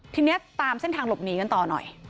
ทีนี้ตามเส้นทางหลบหนีกันต่อหน่อย